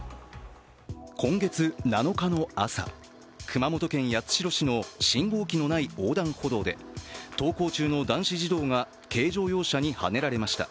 今月７日の朝、熊本県八代市の信号機のない横断歩道で登校中の男子児童が軽乗用車にはねられました。